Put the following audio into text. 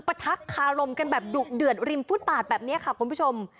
ทักคารมกันแบบดุเดือดริมฟุตบาทแบบนี้ค่ะคุณผู้ชม